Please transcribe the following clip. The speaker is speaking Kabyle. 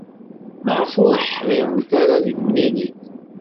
Maɣef ur ḥdiṛent ara deg temlilit?